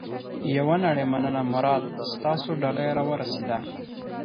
یوه نړۍ مننه مراد. ستاسو ډالۍ را ورسېده.